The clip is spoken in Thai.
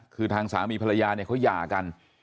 คือทางสามีภรรยาเนี่ยเขาหย่ากัน